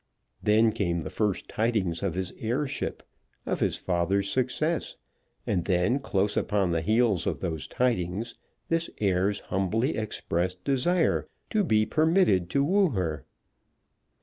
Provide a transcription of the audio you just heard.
Then came the first tidings of his heirship, of his father's success, and then, close upon the heels of those tidings, this heir's humbly expressed desire to be permitted to woo her.